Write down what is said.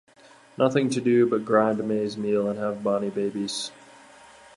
Nothing to do but grind maize meal and have bonny babies.